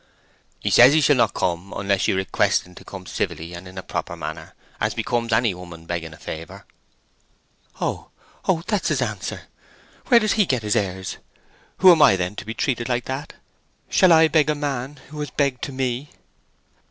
"He says he shall not come onless you request en to come civilly and in a proper manner, as becomes any 'ooman begging a favour." "Oh, oh, that's his answer! Where does he get his airs? Who am I, then, to be treated like that? Shall I beg to a man who has begged to me?"